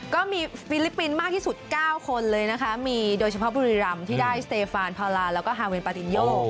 ฟิลิปปินส์มากที่สุด๙คนเลยนะคะมีโดยเฉพาะบุรีรำที่ได้สเตฟานพาราแล้วก็ฮาเวนปาตินโย